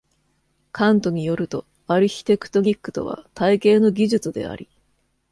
カントに依ると、アルヒテクトニックとは「体系の技術」であり、